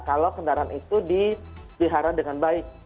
kalau kendaraan itu dihara dengan baik